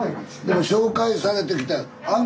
でも紹介されて来たん。